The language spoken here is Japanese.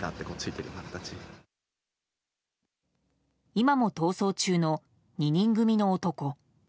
今も逃走中の２人組の男。